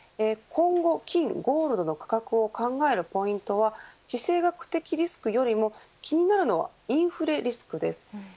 今後、金、ゴールドの価格を考えるポイントは地政学的リスクよりも気になるのはインフレリスクです。